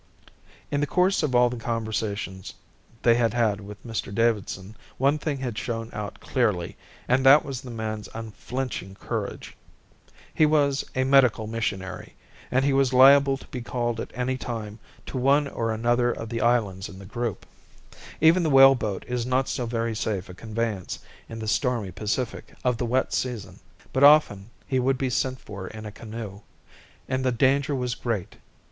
In the course of all the conversations they had had with Mr Davidson one thing had shone out clearly and that was the man's unflinching courage. He was a medical missionary, and he was liable to be called at any time to one or other of the islands in the group. Even the whaleboat is not so very safe a conveyance in the stormy Pacific of the wet season, but often he would be sent for in a canoe, and then the danger was great.